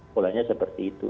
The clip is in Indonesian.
polanya seperti itu